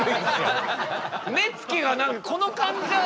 目つきが何かこのかんじゃ。